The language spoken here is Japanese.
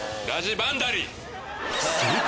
ラジバンダリ！